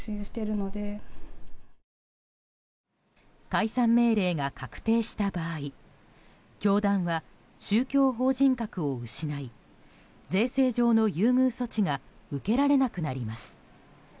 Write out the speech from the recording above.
解散命令が確定した場合教団は宗教法人格を失い税制上の優遇措置が受けられなくなります。